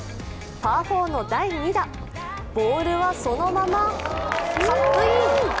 パー４の第２打、ボールはそのままカップイン。